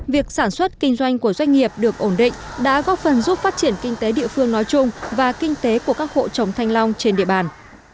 việc sản xuất kinh doanh của doanh nghiệp được ổn định đã góp phần giúp phát triển kinh tế địa phương nói chung và kinh tế của các hộ trồng thanh long trên địa bàn